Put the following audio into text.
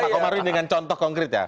pak komarwi katakan